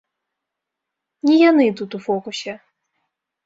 Не яны тут у фокусе.